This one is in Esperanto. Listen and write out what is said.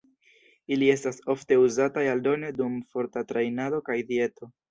Ili estas ofte uzataj aldone dum forta trejnado kaj dieto.